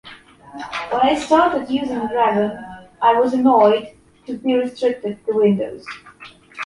When I started using Dragon, I was annoyed to be restricted to Windows.